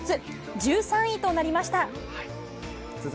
１３位となりました。